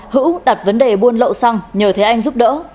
hữu đặt vấn đề buôn lậu xăng nhờ thế anh giúp đỡ